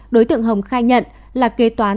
đối tượng hồng khai nhận là kế toán